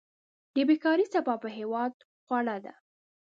د بيکاري څپه په هېواد خوره ده.